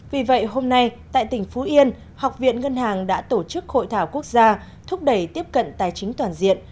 vì vậy hôm nay tại tỉnh phú yên học viện ngân hàng đã tổ chức hội thảo quốc gia thúc đẩy tiếp cận tài chính toàn diện